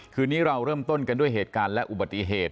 คืนนี้เราเริ่มต้นกันด้วยเหตุการณ์และอุบัติเหตุ